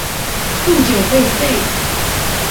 不久被废。